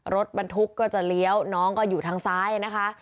รถบรรทุกก็จะเลี้ยวน้องก็อยู่ทางซ้ายนะคะ